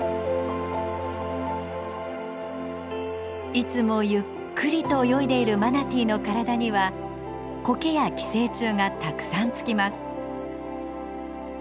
いつもゆっくりと泳いでいるマナティーの体にはこけや寄生虫がたくさん付きます。